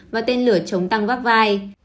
và tên lửa chống tăng vác vai